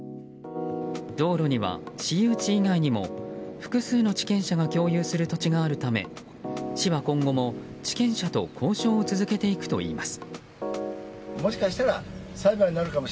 道路には、私有地以外にも複数の地権者が共有する土地があるため市は今後も地権者と交渉を続けていくといいます。